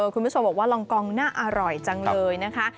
คุณผู้ชมบอกว่าลองกองหน้าอร่อยจังเลยนะคะ